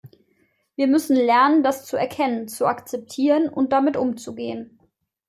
Wir müssen lernen, das zu erkennen, zu akzeptieren und damit umzugehen.